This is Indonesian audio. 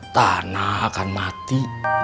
tanah akan mati